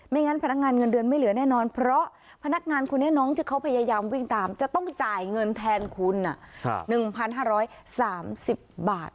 งั้นพนักงานเงินเดือนไม่เหลือแน่นอนเพราะพนักงานคนนี้น้องที่เขาพยายามวิ่งตามจะต้องจ่ายเงินแทนคุณ๑๕๓๐บาท